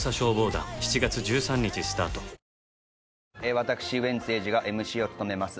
私ウエンツ瑛士がＭＣを務めます